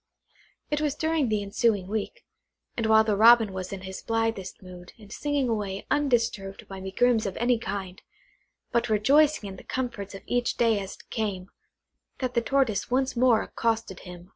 It was during the ensuing week, and while the Robin was in his blithest mood, and singing away undisturbed by megrims of any kind, but rejoicing in the comforts of each day as it came, that the Tortoise once more accosted him.